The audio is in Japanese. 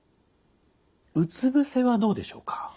うつ伏せはどうでしょうか？